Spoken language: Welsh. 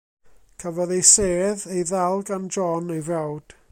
Cafodd ei sedd ei ddal gan John, ei frawd.